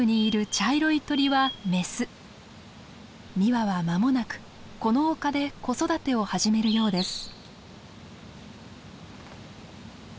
２羽は間もなくこの丘で子育てを始めるようです。